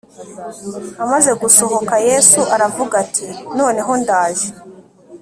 Amaze gusohoka Yesu aravuga ati Noneho ndaje